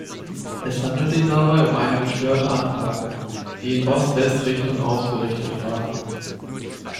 Es handelt sich dabei um eine gestörte Anlage, die in Ost-West-Richtung ausgerichtet war.